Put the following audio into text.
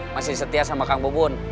masih setia sama kang bu bun